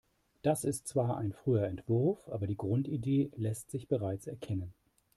Das ist zwar ein früher Entwurf, aber die Grundidee lässt sich bereits erkennen.